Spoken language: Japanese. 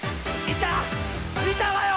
いたわよ！